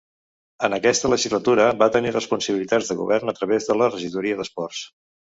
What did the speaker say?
En aquesta legislatura va tenir responsabilitats de govern a través de la regidoria d'Esports.